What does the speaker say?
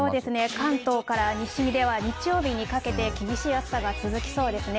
関東から西では日曜日にかけて厳しい暑さが続きそうですね。